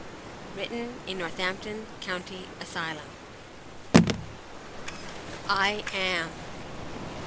Written in Northampton County Asylum I AM!